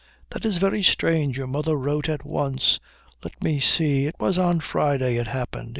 That is very strange. Your mother wrote at once. Let me see. It was on Friday it happened.